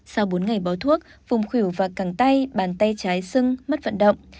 sau bốn ngày bó thuốc vùng khửu và cẳng tay bàn tay trái sưng mất vận động